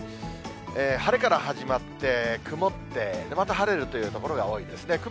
晴れから始まって、曇って、また晴れるという所が多いですね。